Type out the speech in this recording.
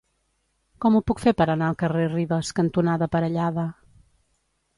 Com ho puc fer per anar al carrer Ribes cantonada Parellada?